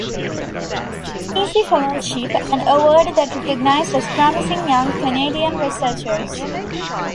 Steacie Fellowship, an award that recognizes promising young Canadian researchers.